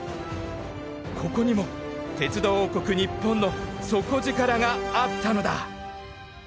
ここにも鉄道王国ニッポンの底力があったのだ。